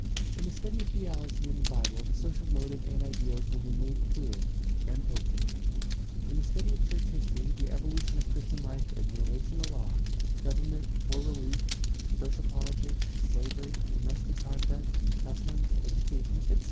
In the study of theology and the Bible the social motive and ideals will be made clear and potent; in the study of church history the evolution of Christian life in relation to law, government, poor relief, social politics, slavery, domestic conduct, customs, education, etc.